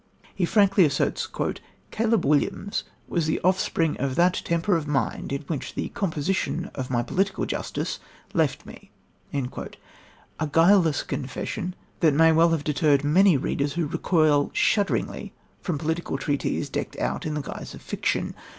He frankly asserts: "Caleb Williams was the offspring of that temper of mind in which the composition of my Political Justice left me" a guileless confession that may well have deterred many readers who recoil shuddering from political treatises decked out in the guise of fiction.